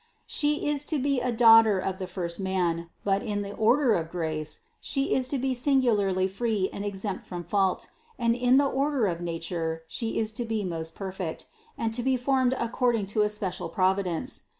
195. "She is to be a daughter of the first man; but in the order of grace She is to be singularly free and exempt from fault ; and in the order of nature She is to be most perfect, and to be formed according to a special providence.